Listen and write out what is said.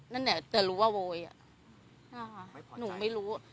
นั่นแหละแต่รู้ว่าโวยหนูไม่รู้